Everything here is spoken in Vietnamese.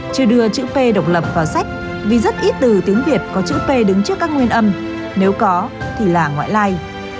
chưa đưa chữ phê độc lập vào sách vì rất ít từ tiếng việt có chữ p đứng trước các nguyên âm nếu có thì là ngoại lai